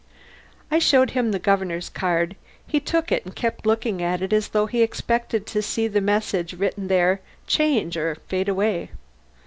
I showed him the Governor's card. He took it and kept looking at it as though he expected to see the message written there change or fade away.